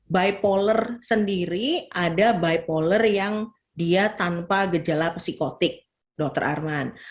bipolar sendiri ada bipolar yang dia tanpa gejala psikotik dokter arman